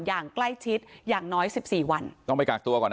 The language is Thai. อย่างใกล้ชิดอย่างน้อยสิบสี่วันต้องไปกากตัวก่อนนะ